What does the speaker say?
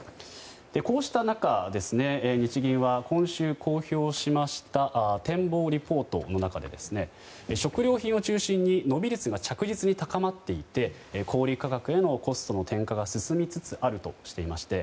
こうした中、日銀は今週公表しました展望リポートの中で食料品を中心に伸び率が着実に高まっていて小売価格へのコスト転嫁が進みつつあるとしていまして